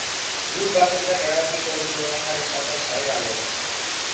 Klub bakoitzak erabakiko du nola jarri salgai sarrera hauek.